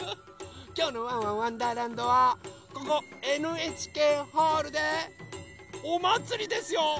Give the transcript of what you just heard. きょうの「ワンワンわんだーらんど」はここＮＨＫホールでおまつりですよ！